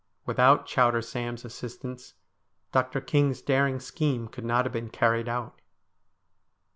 Without Chowder Sam's assistance Dr. King's daring scheme could not have been carried out.